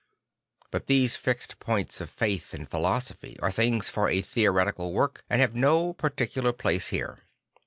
But these fixed points of faith and philosophy are things for a theoretical work and have no particular place here.